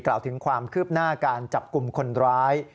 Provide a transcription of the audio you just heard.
กล่าวถึงความคืบหน้าการจับกลุ่มคนร้าย